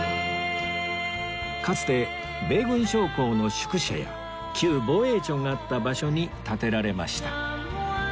かつて米軍将校の宿舎や旧防衛庁があった場所に建てられました